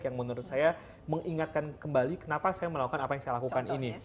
yang menurut saya mengingatkan kembali kenapa saya melakukan apa yang saya lakukan ini